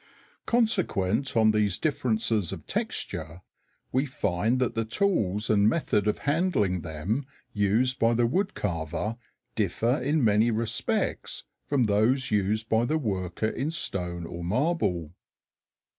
Consequent on these differences of texture, we find that the tools and method of handling them used by the wood carver differ in many respects from those used by the worker in stone or marble.